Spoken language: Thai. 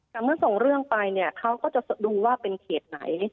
แต่เมื่อส่งเรื่องไปเนี่ยเขาก็จะดูว่าเป็นเขตไหน